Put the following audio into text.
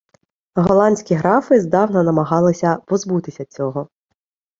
Голландські графи здавна намагались позбутися цього.